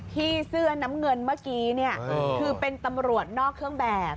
เสื้อน้ำเงินเมื่อกี้คือเป็นตำรวจนอกเครื่องแบบ